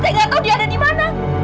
saya nggak tahu dia ada dimana